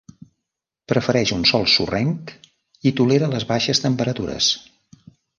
Prefereix un sòl sorrenc i tolera les baixes temperatures.